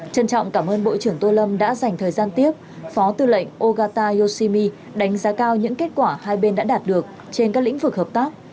trân trọng cảm ơn bộ trưởng tô lâm đã dành thời gian tiếp phó tư lệnh ogata yoshimi đánh giá cao những kết quả hai bên đã đạt được trên các lĩnh vực hợp tác